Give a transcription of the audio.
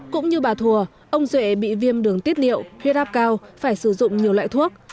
cũng như bà thùa ông duệ bị viêm đường tiết liệu huyết áp cao phải sử dụng nhiều loại thuốc